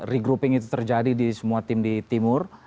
regrouping itu terjadi di semua tim di timur